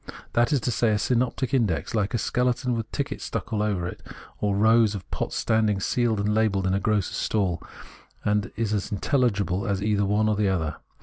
It is, that is to say, a synoptic index, hke a skeleton with tickets stuck all over it, or hke rows of pots standing sealed and labelled in a grocer's stall ; and is as intelhgible as either the one or the other.